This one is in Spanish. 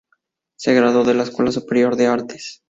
Se graduó de la Escuela superior de Artes.